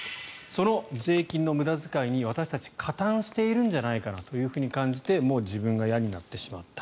その税金の無駄遣いに私たちは加担しているんじゃないかなと感じて自分が嫌になってしまった。